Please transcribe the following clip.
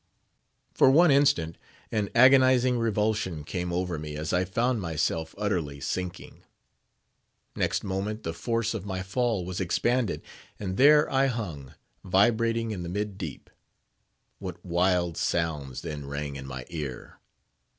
For one instant an agonising revulsion came over me as I found myself utterly sinking. Next moment the force of my fall was expanded; and there I hung, vibrating in the mid deep. What wild sounds then rang in my ear!